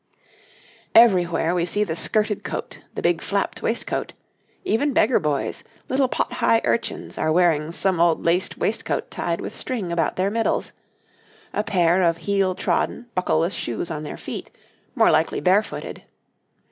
[Illustration: {A man of the time of George I.}] Everywhere we see the skirted coat, the big flapped waistcoat; even beggar boys, little pot high urchins, are wearing some old laced waistcoat tied with string about their middles a pair of heel trodden, buckleless shoes on their feet, more likely bare footed.